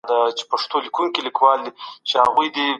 کله چي ستاسو څخه يو څوک دعوت سي، نو هغه دي دعوت ومني.